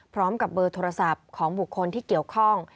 พร้อมกับเบอร์โทรศัพท์ของบุคคลที่เกี่ยวข้อง